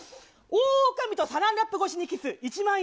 大女将とサランラップ越しにキス１万円。